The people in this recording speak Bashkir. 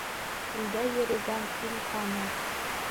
Илдә йөрөгән ил таныр